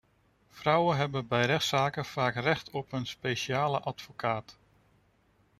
Vrouwen hebben bij rechtszaken vaak recht op een speciale advocaat.